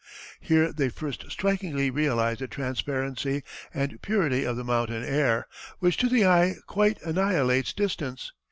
Here they first strikingly realized the transparency and purity of the mountain air, which to the eye quite annihilates distance.